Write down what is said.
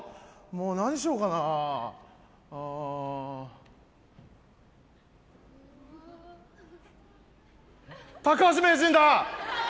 もう何しようかな高橋名人だ！